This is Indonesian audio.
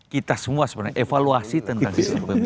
kita semua sebenarnya evaluasi tentang itu